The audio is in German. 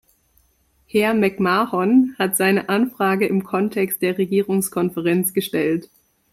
Herr McMahon hat seine Anfrage im Kontext der Regierungskonferenz gestellt.